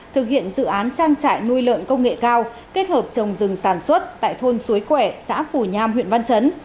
thực hiện dự án trang trại nuôi lợn công nghệ cao kết hợp trồng rừng sản xuất tại thôn suối quẻ xã phù nham huyện văn chấn